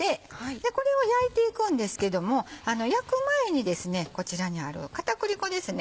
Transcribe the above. これを焼いていくんですけども焼く前にこちらにある片栗粉ですね